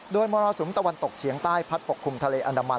โดยมรสุมตะวันตกเฉียงใต้พัดปกคลุมทะเลอันดามัน